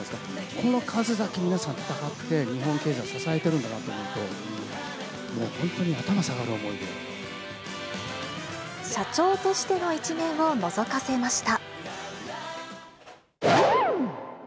この数だけ皆さん戦って、日本経済を支えてるんだなと思うと、社長としての一面をのぞかせました。